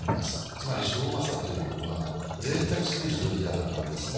つまり四方柾というのは贅沢すぎる取り方なんですね。